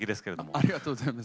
ありがとうございます。